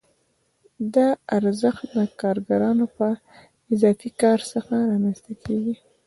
دا ارزښت د کارګرانو له اضافي کار څخه رامنځته کېږي